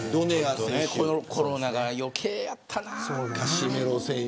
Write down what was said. コロナが余計やったな。